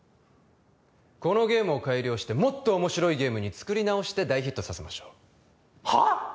このゲームを改良してもっと面白いゲームに作り直して大ヒットさせましょうはあ？